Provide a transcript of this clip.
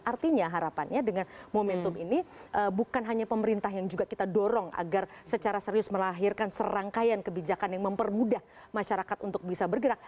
artinya harapannya dengan momentum ini bukan hanya pemerintah yang juga kita dorong agar secara serius melahirkan serangkaian kebijakan yang mempermudah masyarakat untuk bisa bergerak